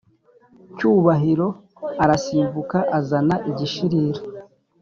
Cyubahiro arasimbuka azana igishirira